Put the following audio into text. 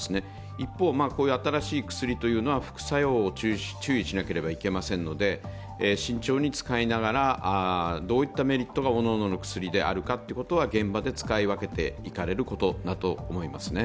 一方、こういう新しい薬は副作用を注意しなければいけませんので慎重に使いながらどういったメリットがおのおのの薬であるかということで現場で使い分けていかれることだと思いますね。